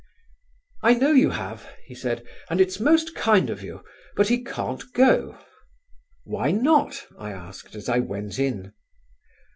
"I know you have," he said, "and it's most kind of you; but he can't go." "Why not?" I asked as I went in.